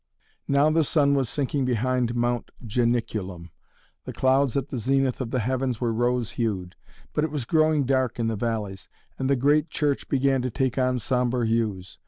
Now the sun was sinking behind Mount Janiculum. The clouds at the zenith of the heavens were rose hued, but it was growing dark in the valleys, and the great church began to take on sombre hues.